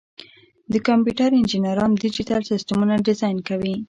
د کمپیوټر انجینران ډیجیټل سیسټمونه ډیزاین کوي.